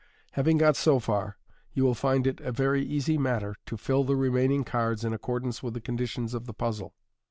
Having got so far, you will MODERN MAGIC. 59 find it a very easy matter to fill in the remaining cards in accordance with the conditions of the puzzle.